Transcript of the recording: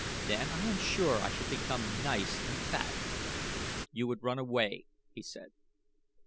Then, I am sure, I shall become nice and fat." "You would run away," he said.